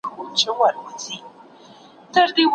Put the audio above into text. په حضوري زده کړه کي د استاد څارنه نژدې وي.